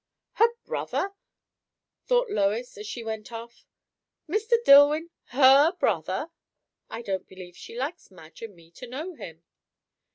Her brother! thought Lois as she went off. Mr. Dillwyn, her brother! I don't believe she likes Madge and me to know him.